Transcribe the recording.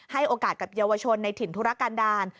โอกาสกับเยาวชนในถิ่นธุรกันดาล